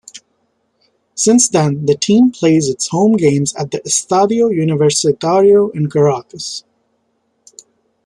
Since then, the team plays its home games at the Estadio Universitario in Caracas.